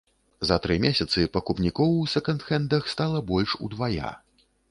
За тры месяцы пакупнікоў у сэканд-хэндах стала больш удвая.